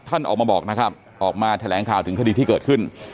ท่านออกมาบอกนะครับออกมาแถลงข่าวถึงคดีที่เกิดขึ้น